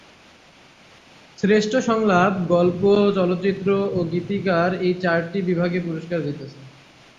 শ্রেষ্ঠ সংলাপ, গল্প, চলচ্চিত্র ও গীতিকার এই চারটি বিভাগে পুরস্কার জিতেছে।